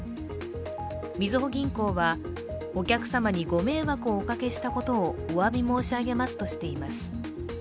みずほ銀行は、お客様にご迷惑をおかけしたことをおわび申し上げますとしています。